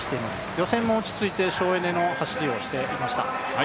予選も落ち着いて省エネの走りをしていました。